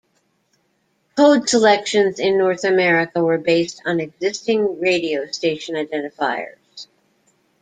Code selections in North America were based on existing radio station identifiers.